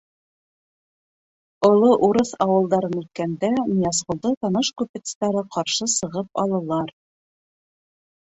Оло урыҫ ауылдарын үткәндә Ныязғолдо таныш купецтары ҡаршы сығып алалар.